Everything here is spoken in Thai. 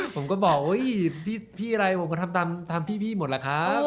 ผมก็ว่าพี่อะไรผมก็ทำตามพี่มนครระครับ